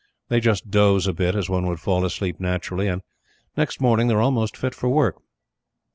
They just doze a bit, as one would fall asleep naturally, and next morning they are almost fit for work.